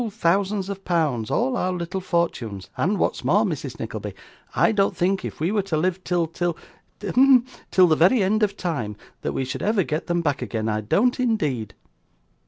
thousands of pounds, all our little fortunes, and what's more, Mrs. Nickleby, I don't think, if we were to live till till hem till the very end of time, that we should ever get them back again. I don't indeed.